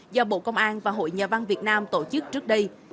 do bộ công an và hội nhà văn việt nam tổ chức trước đây